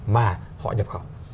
mà họ nhập khẩu